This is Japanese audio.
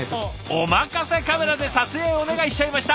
お任せカメラで撮影お願いしちゃいました！